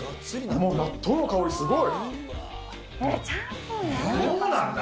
もう、納豆の香りすごい。